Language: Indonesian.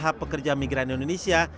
ini adalah pekerja migran indonesia